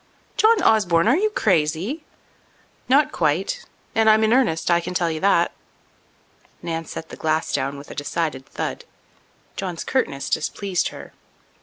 "John Osborne, are you crazy?" "Not quite. And I'm in earnest, I can tell you that." Nan set the glass down with a decided thud. John's curtness displeased her.